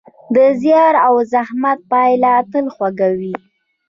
د زیار او زحمت پایله تل خوږه وي.